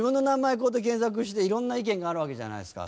こうやって検索していろんな意見があるわけじゃないですか。